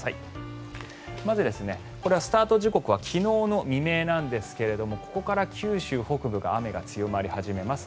まず、これはスタート時刻は昨日の未明なんですがここから九州北部が雨が強まり始めます。